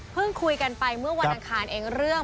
คุยกันไปเมื่อวันอังคารเองเรื่อง